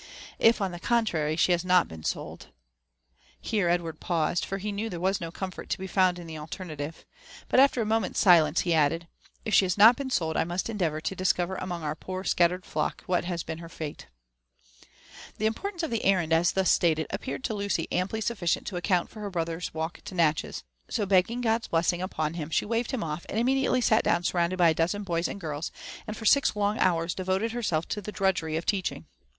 If, on the contrary, she has not been sold " Here Edward paused, for he knew there was no comfort to be found in the alternative ; but, after a moment's silence, he added, *< If she has not been sold, I must endeavour to discover among our poor spattered flock, what has ()een her fate.'' JONATHAN JEFFERSON WHITXAW. SO The importance of the errand as thus stated appeared to Lucy amply sufficient to account for her brother's walk to Natchez ; so, beg ging God's blessing upon him, she waved him off, and immediately sat down surrounded by a dozen boys and girls, and for six long hours devoted herself to the drudgery of teaching.